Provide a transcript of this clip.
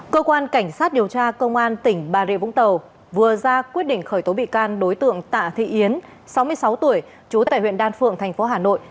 cơ quan cảnh sát điều tra công an tỉnh bà rịa vũng tàu vừa ra quyết định khởi tố bị can đối tượng tạ thị yến sáu mươi sáu tuổi trú tại huyện đan phượng thành phố hà nội